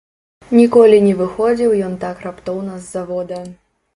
Ніколі не выходзіў ён так раптоўна з завода.